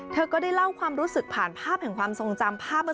เธอก็ได้เล่าความรู้สึกผ่านภาพแห่งความทรงจำภาพเมื่อ